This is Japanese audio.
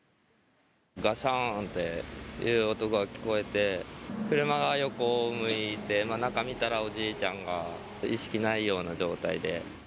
がしゃーんっていう音が聞こえて、車が横向いて、中見たら、おじいちゃんが意識ないような状態で。